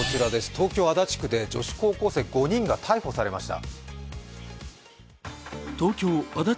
東京・足立区で女子高校生５人が逮捕されました。